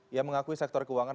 ia mengakui sektor keuangan